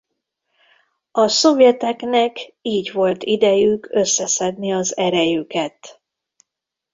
A szovjeteknek így volt idejük összeszedni az erejüket.